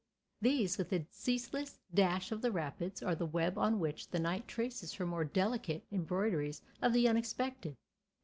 These, with the ceaseless dash of the rapids, are the web on which the night traces her more delicate embroideries of the unexpected.